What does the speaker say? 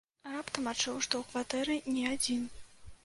Раптам адчуў, што ў кватэры не адзін.